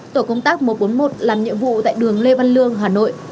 tổ công tác một trăm bốn mươi một làm nhiệm vụ tại đường lê văn lương hà nội